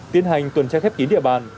tiến hành tuần trai khép kín địa bàn